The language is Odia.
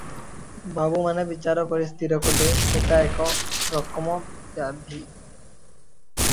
ବାବୁମାନେ ବିଚାର କରି ସ୍ଥିର କଲେ, ଏଟା ଏକ ରକମ ବ୍ୟାଧି ।